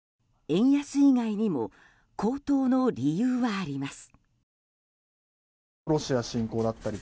円安以外にも高騰の理由はあります。